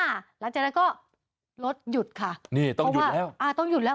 หลังจากนั้นก็รถหยุดค่ะต้องหยุดแล้ว